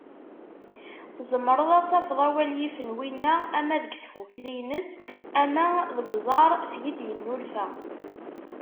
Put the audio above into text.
Tzemreḍ ad d-tafeḍ awal yifen winna ama deg tfukli-ines, ama deg uẓar seg i d-yennulfa.